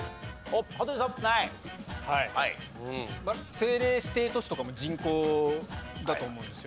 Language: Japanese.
政令指定都市とかも人口だと思うんですよ。